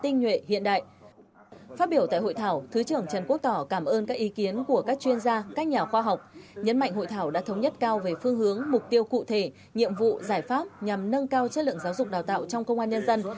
nhằm nâng cao chất lượng giáo dục đào tạo trong công an nhân dân